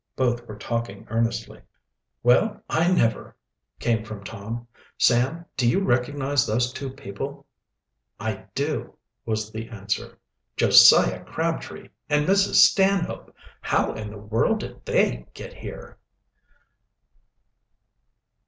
Both were talking earnestly. "Well I never!" came from Tom. "Sam, do you recognize those two people?" "I do," was the answer. "Josiah Crabtree and Mrs. Stanhope! How in the world did they get here?"